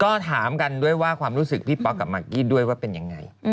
ก็ถามกันด้วยว่าความรู้สึกพี่ป๊อกกับมากกี้ด้วยว่าเป็นยังไง